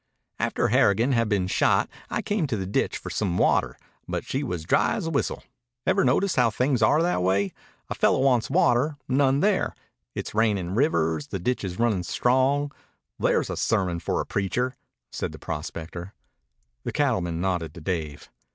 "After Harrigan had been shot I came to the ditch for some water, but she was dry as a whistle. Ever notice how things are that way? A fellow wants water; none there. It's rainin' rivers; the ditch is runnin' strong. There's a sermon for a preacher," said the prospector. The cattleman nodded to Dave.